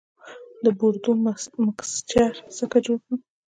د بورډو مکسچر څنګه جوړ کړم؟